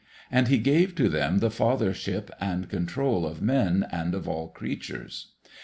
And he gave to them the fathership and control of men and of all creatures.